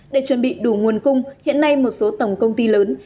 để chuẩn bị đủ nguồn cung hiện nay một số tổng công ty lớn